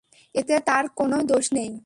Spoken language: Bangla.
এতে তার কোনো দোষ নেই।